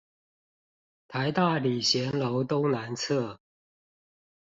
臺大禮賢樓東南側